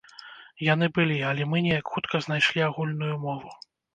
Яны былі, але мы неяк хутка знайшлі агульную мову.